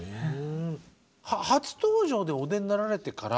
初登場でお出になられてから。